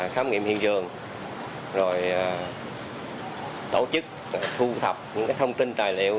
khám nghiệm hiện trường rồi tổ chức thu thập những thông tin tài liệu